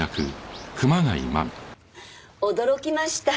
驚きました。